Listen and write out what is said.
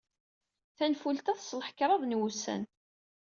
Tanfult-a teṣleḥ kraḍ n wussan.